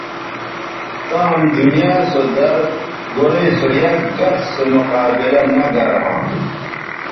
تام دنیا سو زر گورئ سو یک گس سو مقابلہ نہ گر ھواں